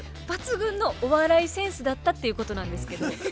抜群のお笑いセンスだったっていうことなんですけどね。